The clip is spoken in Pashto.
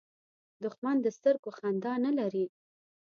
دښمن د سترګو خندا نه لري